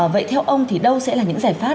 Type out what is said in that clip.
vậy theo ông thì đâu sẽ là những giải pháp